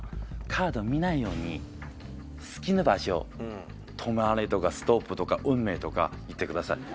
カード見ないように好きな場所止まれとかストップとか運命とか言ってください。